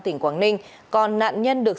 tỉnh quảng ninh còn nạn nhân được